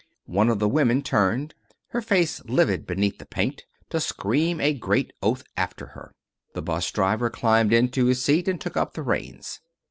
One of the women turned, her face lived beneath the paint, to scream a great oath after her. The 'bus driver climbed into his seat and took up the reins.